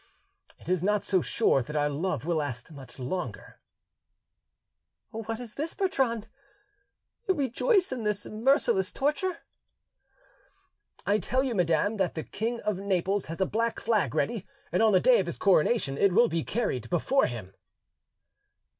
"It is not so sure that our love will last much longer." "What is this, Bertrand? You rejoice in this merciless torture." "I tell you, madam, that the King of Naples has a black flag ready, and on the day of his coronation it will be carried before him."